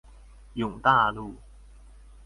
永大路